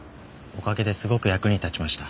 おかげですごく役に立ちました。